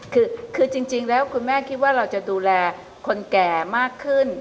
คือจริงแล้วคุณแม่คิดว่าเราจะดูแลคนแก่มากขึ้น